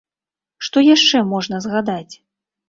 Што яшчэ можна згадаць?